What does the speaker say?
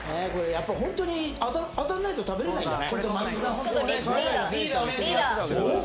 これやっぱホントに当たんないと食べれないんだね。